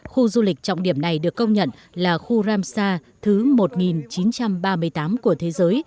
khu du lịch trọng điểm này được công nhận là khu ramsar thứ một nghìn chín trăm ba mươi tám của thế giới